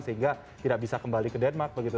sehingga tidak bisa kembali ke denmark begitu